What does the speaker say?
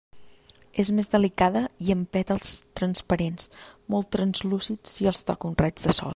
És més delicada i amb pètals transparents, molt translúcids si els toca un raig de sol.